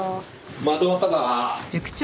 まとまったか？